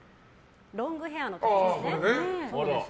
ロングヘアの時ですね。